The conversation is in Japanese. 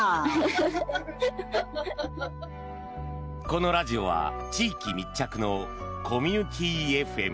このラジオは地域密着のコミュニティーＦＭ。